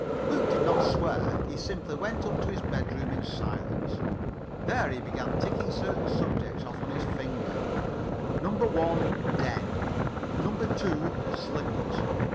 Luke did not swear. He simply went up to his bedroom in silence. There he began ticking certain subjects off on his finger. Number One, Den. Number Two, Slippers.